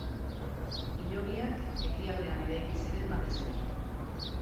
Hilobiak Ekialdean eraiki ziren batez ere.